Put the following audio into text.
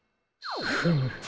フム！